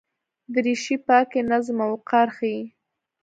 دریشي پاکي، نظم او وقار ښيي.